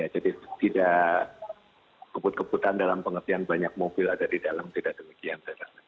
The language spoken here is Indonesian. jadi tidak kebut kebutan dalam pengertian banyak mobil ada di dalam tidak demikian